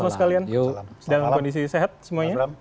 mas mas kalian dalam kondisi sehat semuanya